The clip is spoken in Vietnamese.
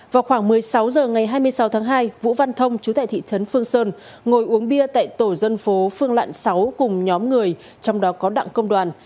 vào khoảng một mươi sáu h ngày hai mươi sáu tháng hai vũ văn thông chú tại thị trấn phương sơn ngồi uống bia tại tổ dân phố phương lạn sáu cùng nhóm người trong đó có đặng công đoàn